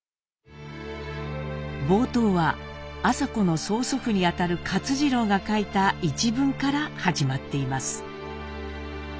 冒頭は麻子の曽祖父にあたる勝次郎が書いた一文から始まっています。